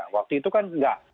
waktu itu kan tidak